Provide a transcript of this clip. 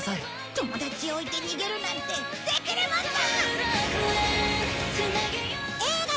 友達を置いて逃げるなんてできるもんか！